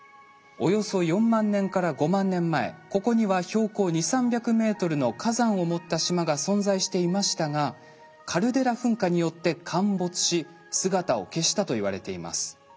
およそ４万年から５万年前ここには標高２００３００ｍの火山を持った島が存在していましたがカルデラ噴火によって陥没し姿を消したといわれています。